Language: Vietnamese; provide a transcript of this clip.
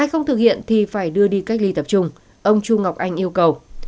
hiện thì phải đưa đi cách ly tập trung ông chu ngọc anh yêu cầu